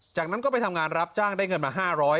จากนั้นก็ไปทำงานรับจ้างได้เงินมา๕๐๐